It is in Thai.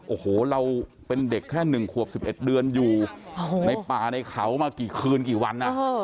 โอ้โหเราเป็นเด็กแค่๑ขวบ๑๑เดือนอยู่ในป่าในเขามากี่คืนกี่วัน